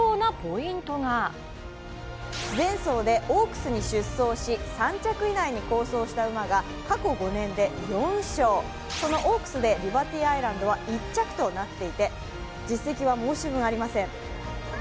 前走でオークスに出走し、３着以内に好走した馬が過去５年で４勝、そのオークスでリバティアイランドは１着となっていて実績は申し分ありません。